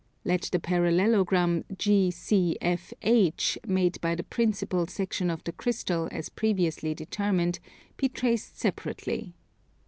Let the parallelogram GCFH, made by the principal section of the Crystal, as previously determined, be traced separately.